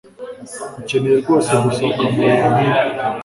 ukeneye rwose gusohoka mubihe nkibi